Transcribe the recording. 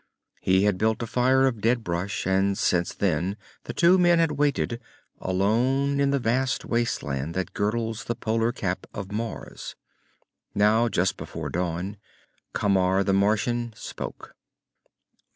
He had built a fire of dead brush, and since then the two men had waited, alone in the vast wasteland that girdles the polar cap of Mars. Now, just before dawn, Camar the Martian spoke.